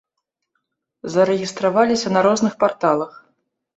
Зарэгістраваліся на розных парталах.